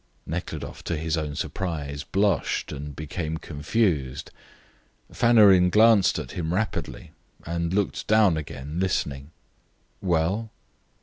Nekhludoff, to his own surprise, blushed and became confused. Fanarin glanced at him rapidly, and looked down again, listening. "Well?"